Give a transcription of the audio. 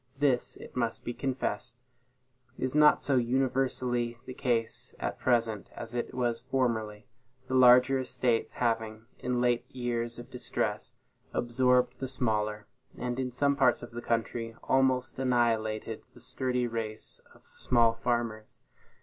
This, it must be confessed, is not so universally the case at present as it was formerly; the larger estates having, in late years of distress, absorbed the smaller, and, in some parts of the country, almost annihilated the sturdy race of small farmers.